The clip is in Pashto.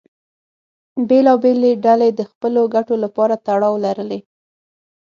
بېلابېلې ډلې د خپلو ګټو لپاره تړاو لرلې.